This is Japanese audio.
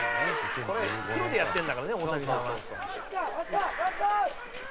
「これプロでやってるんだからね大谷さんは」